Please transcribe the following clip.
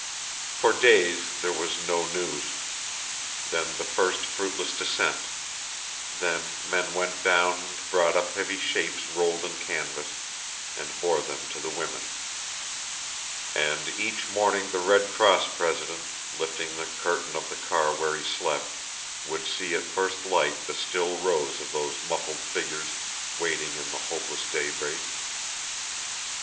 For days there was no news; then the first fruitless descent; then men went down and brought up heavy shapes rolled in canvas and bore them to the women; and "each morning the Red Cross president, lifting the curtain of the car where he slept, would see at first light the still rows of those muffled figures waiting in the hopeless daybreak."